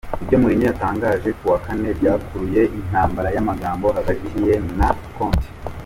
Ibyo Mourinho yatangaje kuwa Kane byakuruye intambara y’amagambo hagati ye na Conte